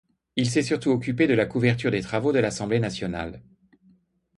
Il s'est surtout occupé de la couverture des travaux de l'Assemblée nationale.